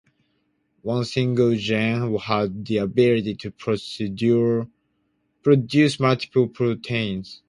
One single gene has the ability to produce multiple proteins.